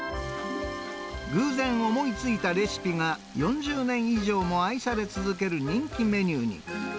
偶然思いついたレシピが、４０年以上も愛され続ける人気メニューに。